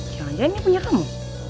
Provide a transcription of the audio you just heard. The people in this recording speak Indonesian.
jangan jangan ini punya kamu